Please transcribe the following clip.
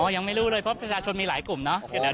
ยังไม่รู้เลยเพราะประชาชนมีหลายกลุ่มเนาะ